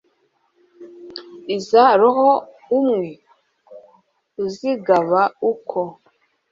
iza roho umwe, uzigaba uko